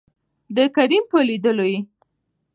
دکريم په لېدولو يې